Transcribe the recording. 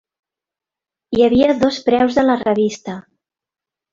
Hi havia dos preus de la revista.